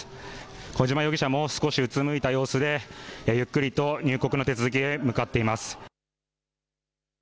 小島容疑者も少しうつむいた様子で、ゆっくりと入国の手続きへ向かっています。